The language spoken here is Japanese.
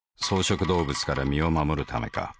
草食動物から身を護るためか。